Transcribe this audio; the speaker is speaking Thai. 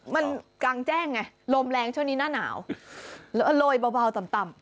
มันกลางแจ้งไงลมแรงช่วงนี้หน้าหนาวแล้วก็โรยเบาต่ำ